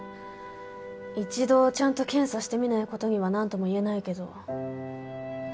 一度ちゃんと検査してみない事にはなんとも言えないけど。